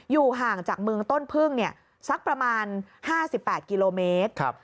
อยู่ห่างจากเมืองต้นพึ่งสักประมาณ๕๘กิโลเมตร